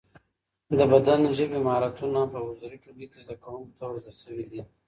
د بدن ژبي مهارتونه په حضوري ټولګي کي زده کوونکو ته ورزده سوي دي.